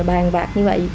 bàn vạt như vậy